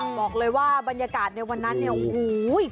บอกเลยว่าบรรยากาศในวันนั้นเนี่ยโอ้โห